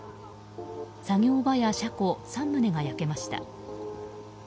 作業場や車庫３棟が焼けました。